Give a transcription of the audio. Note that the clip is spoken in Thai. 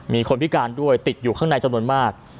มีคนพิการด้วยติดอยู่ข้างในจำนวนมาก